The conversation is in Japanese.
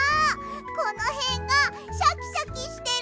このへんがシャキシャキしてる！